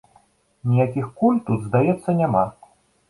Ніякіх куль тут, здаецца, няма.